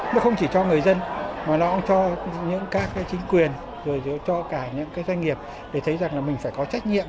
nó không chỉ cho người dân mà nó cũng cho những các chính quyền rồi cho cả những cái doanh nghiệp để thấy rằng là mình phải có trách nhiệm